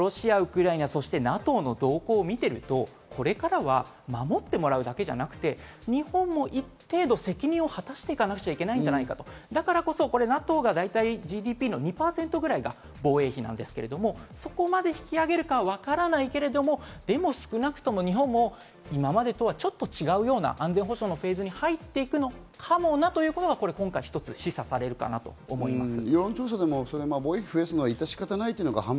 だけど、ちょっとロシア、ウクライナそしてＮＡＴＯの動向を見ていると、これからは守ってもらうだけじゃなくて、日本も一定の責任を果たしていかなきゃいけないんじゃないか、だからこそＮＡＴＯがＧＤＰの２％ぐらいが防衛費なんですけど、そこまで引き上げるかはわからないけど、でも少なくとも日本も今までとはちょっと違うような安全保障のフェーズに入っていくのかもなということは今回一つ、示唆されるかなと思います。